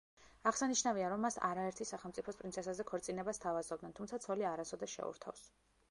აღსანიშნავია, რომ მას არაერთი სახელმწიფოს პრინცესაზე ქორწინებას სთავაზობდნენ, თუმცა ცოლი არასოდეს შეურთავს.